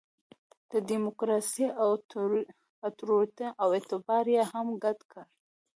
د ډیموکراسي اُتوریته او اعتبار یې هم ګډ کړي.